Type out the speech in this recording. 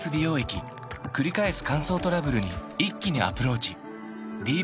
くり返す乾燥トラブルに一気にアプローチ